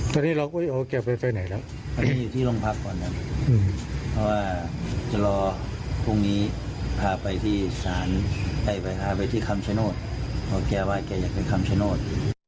เพราะว่าจะรอพรุ่งนี้พาไปที่คำชะโนธเพราะแกว่าแกอยากไปคำชะโนธ